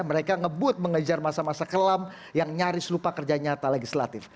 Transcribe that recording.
mereka ngebut mengejar masa masa kelam yang nyaris lupa kerja nyata legislatif